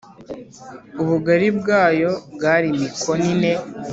ubugari bwacyo bwari mikono ine